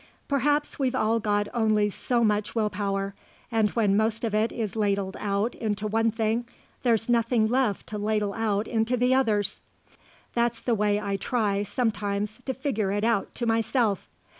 Perhaps we've all got only so much will power and when most of it is ladled out into one thing there's nothing left to ladle out into the others. That's the way I try, sometimes, to figure it out to myself.